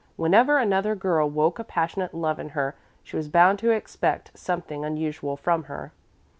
Whenever another girl woke a passionate love in her, she was bound to expect something unusual from her.